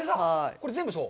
これ、全部そう？